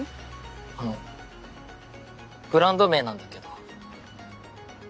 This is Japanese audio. あのブランド名なんだけど。